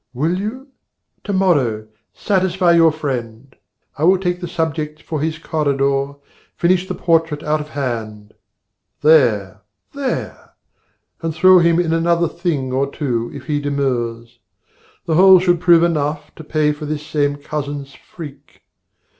Will you? To morrow, satisfy your friend. I take the subjects for his corridor, Finish the portrait out of hand there, there, And throw him in another thing or two If he demurs; the whole should prove enough To pay for this same Cousin's freak.